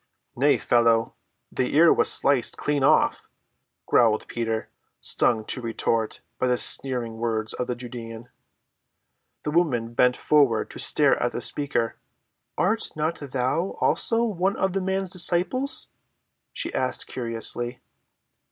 "Nay, fellow, the ear was sliced clean off," growled Peter, stung to retort by the sneering words of the Judean. The woman bent forward to stare at the speaker. "Art not thou also one of the man's disciples?" she asked curiously.